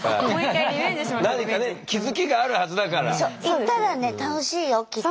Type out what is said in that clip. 行ったらね楽しいよきっと。